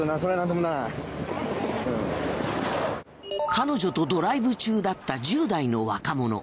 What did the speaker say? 彼女とドライブ中だった１０代の若者。